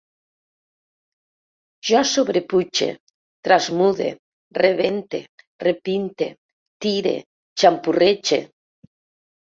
Jo sobrepuge, trasmude, rebente, repinte, tire, xampurrege